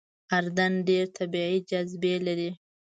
اردن ډېرې طبیعي جاذبې لري.